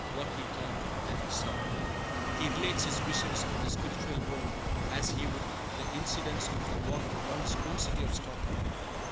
What he thought, that he saw. He relates his visions of the spiritual world as he would the incidents of a walk round his own city of Stockholm.